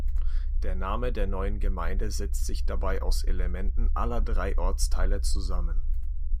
Der Name der neuen Gemeinde setzt sich dabei aus Elementen aller drei Ortsteile zusammen.